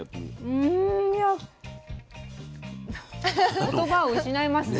うん言葉を失いますね。